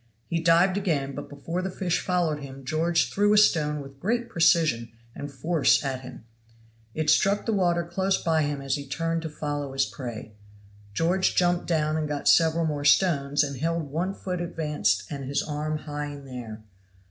He dived again, but before the fish followed him George threw a stone with great precision and force at him. It struck the water close by him as he turned to follow his prey; George jumped down and got several more stones, and held one foot advanced and his arm high in air.